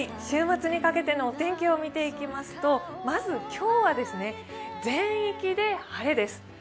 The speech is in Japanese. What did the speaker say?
週末にかけてのお天気を見ていきますと、まず、今日は全域で晴れです。